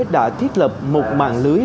đã thiết lập một mạng lưới